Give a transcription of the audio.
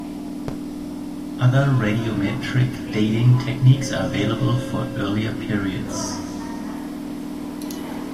Other radiometric dating techniques are available for earlier periods.